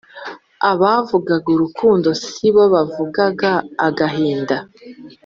Abavugaga urukundo sibo bavugaga agahinda,